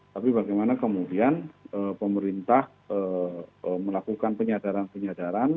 tapi bagaimana kemudian pemerintah melakukan penyadaran penyadaran